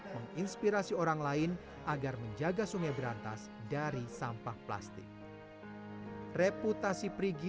menginspirasi orang lain agar menjaga sungai berantas dari sampah plastik reputasi perigi